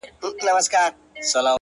ها د ښكلا شاپېرۍ هغه د سكون سهزادگۍ!